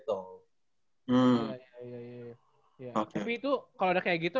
tapi itu kalau udah kayak gitu